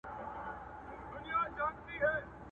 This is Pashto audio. زړه قلا؛